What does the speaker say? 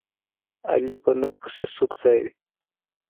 علي په نوک پسې سوک ځایوي.